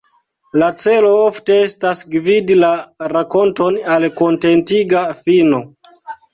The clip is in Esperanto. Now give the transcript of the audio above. La celo ofte estas gvidi la rakonton al kontentiga fino.